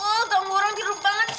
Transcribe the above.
oh gak mau orang jeruk banget sih